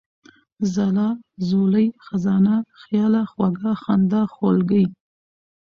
ځلا ، ځولۍ ، خزانه ، خياله ، خوږه ، خندا ، خولگۍ ،